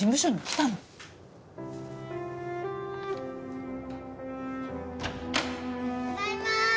ただいま！